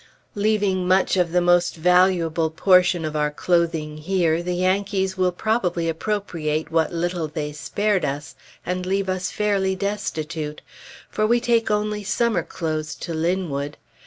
Leaving much the most valuable portion of our clothing here, the Yankees will probably appropriate what little they spared us and leave us fairly destitute; for we take only summer clothes to Linwood.